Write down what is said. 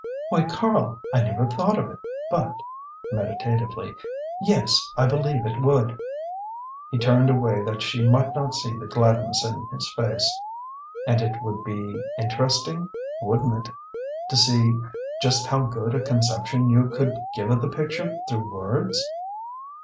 "Why, Karl, I never thought of it, but," meditatively "yes, I believe it would." He turned away that she might not see the gladness in his face. "And it would be interesting wouldn't it to see just how good a conception you could give of the picture through words?"